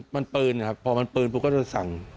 มันปืนนะครับพอมันปืนปุ๊บก็จะสั่ง